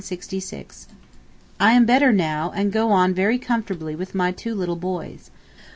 I am better again now and go on very comfortably with my two little boys.